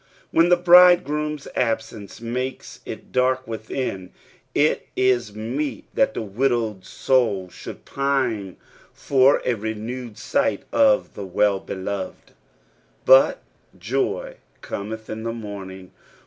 When the Bridegroom's absence makes it dark within, it is meet that the widowed soul should pine for a renewed sigh! of the Well beloved. "But joy cometh in the morning."